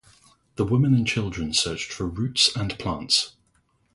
The women and children searched for roots and plants.